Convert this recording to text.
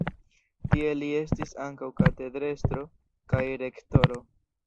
Tie li estis ankaŭ katedrestro kaj rektoro.